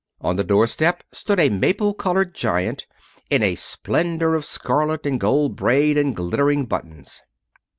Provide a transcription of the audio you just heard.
On the door step stood a maple colored giant in a splendor of scarlet, and gold braid, and glittering buttons.